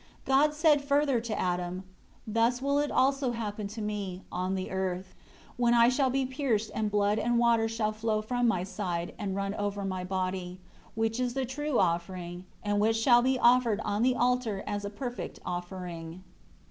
6 God said further to Adam, "Thus will it also happen to Me, on the earth, when I shall be pierced and blood and water shall flow from My side and run over My body, which is the true offering; and which shall be offered on the altar as a perfect offering."